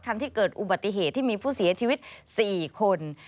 ที่เกิดอุบัติเหตุที่มีผู้เสียชีวิต๔คน